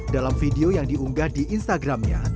dalam video yang diunggah di instagramnya